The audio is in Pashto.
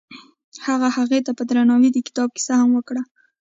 هغه هغې ته په درناوي د کتاب کیسه هم وکړه.